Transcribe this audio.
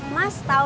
mas tau ga